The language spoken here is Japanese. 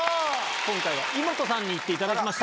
今回はイモトさんに行っていただきました。